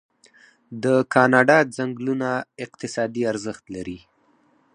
د کاناډا ځنګلونه اقتصادي ارزښت لري.